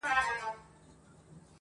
زما خو ټوله زنده گي توره ده_